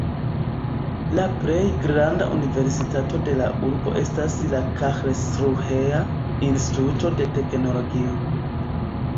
La plej granda universitato de la urbo estas la Karlsruhea Instituto de Teknologio.